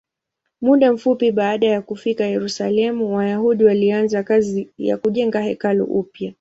Muda mfupi baada ya kufika Yerusalemu, Wayahudi walianza kazi ya kujenga hekalu upya.